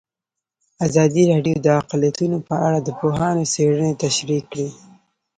ازادي راډیو د اقلیتونه په اړه د پوهانو څېړنې تشریح کړې.